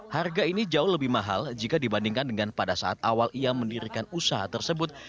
harga ini jauh lebih mahal jika dibandingkan dengan pada saat awal ia mendirikan usaha tersebut